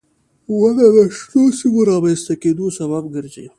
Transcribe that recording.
• ونه د شنو سیمو رامنځته کېدو سبب ګرځي.